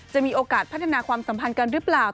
จะมีโอกาสพัฒนาความสัมพันธ์กันหรือเปล่า